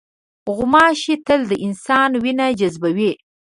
غوماشې تل د انسان وینه جذبوي.